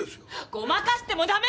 ごまかしてもダメ！